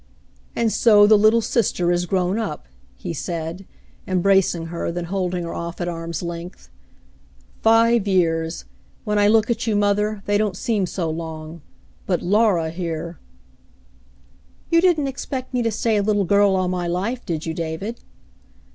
"And so the little sister is grown up," he said, embrac ing her, then holding her off at arm's length. "Five years ! When I look at you, mother, they don't seem so long — but Laura here !" "You didn't expect me to stay a little girl all my life, did you, David